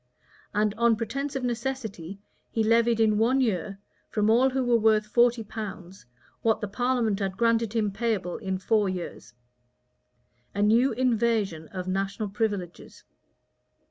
And on pretence of necessity, he levied in one year, from all who were worth forty pounds, what the parliament had granted him payable in four years;[] a new invasion of national privileges.